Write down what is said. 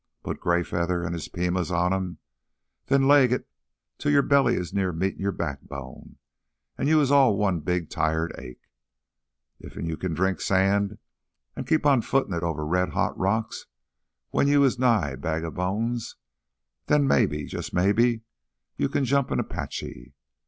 Put Greyfeather an' his Pimas on 'em an' then leg it till your belly's near meetin' your backbone an' you is all one big tired ache. Iffen you kin drink sand an' keep on footin' it over red hot rocks when you is nigh t' a bag o' bones, then maybe—jus' maybe—you kin jump an Apache.